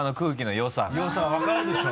良さ分かるでしょ？